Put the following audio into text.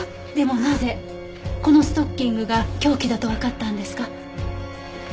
でもなぜこのストッキングが凶器だとわかったんですか？